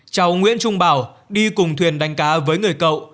cháu nguyễn trung bảo đi cùng thuyền đánh cá với người cậu